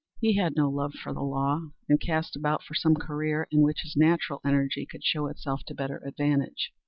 He had no love for the law, and cast about for some career in which his natural energy could show itself to better advantage.